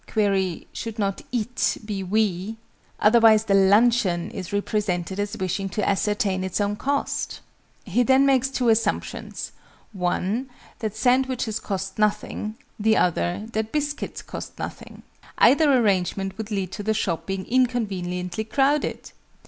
(Query. Should not "it" be "we"? Otherwise the luncheon is represented as wishing to ascertain its own cost!) He then makes two assumptions one, that sandwiches cost nothing; the other, that biscuits cost nothing, (either arrangement would lead to the shop being inconveniently crowded!)